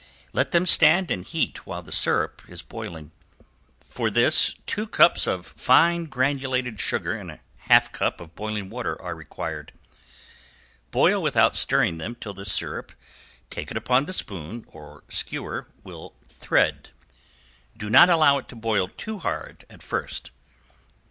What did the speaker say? Let them stand and heat while the syrup is boiling. For this two cups of fine granulated sugar and half a cup of boiling water are required. Boil without stirring till the syrup taken upon the spoon or skewer will "thread." Do not allow it to boil too hard at first.